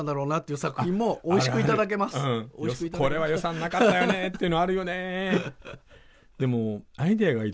「これは予算なかったよね」っていうのあるよね。